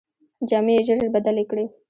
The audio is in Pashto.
جامې یې ژر ژر بدلې کړې.